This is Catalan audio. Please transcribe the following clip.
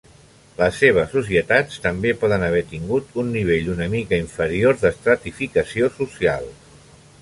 Les seves societats també poden haver tingut un nivell una mica inferior d'estratificació social.